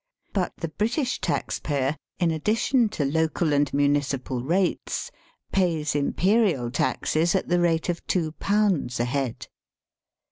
But the British taxpayer^ in addition to local and municipal rates, pays imperial taxes at the rate of £2 a head.